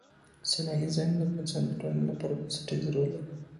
سیلانی ځایونه د افغانستان د ټولنې لپاره بنسټيز رول لري.